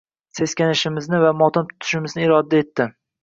– seskanishimizni va motam tutishimizni iroda etdi.